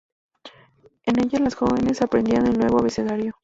En ellas los jóvenes aprendían el nuevo abecedario.